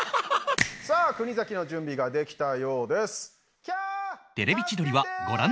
さあ国崎の準備ができたようです。